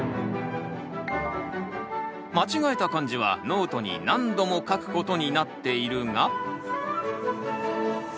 間違えた漢字はノートに何度も書くことになっているが。